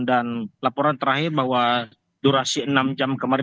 dan laporan terakhir bahwa durasi enam jam kemarin